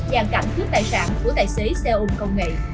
gian cảnh trước tài sản của tài xế xe ôm công nghệ